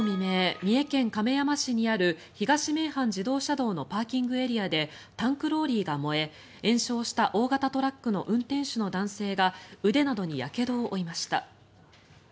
三重県亀山市にある東名阪自動車道のパーキングエリアでタンクローリーが燃え延焼した大型トラックの運転手の男性が腕などにやけどを負いました。